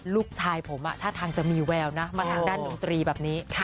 ลูกชายผมท่าทางจะมีแววนะมาทางด้านดนตรีแบบนี้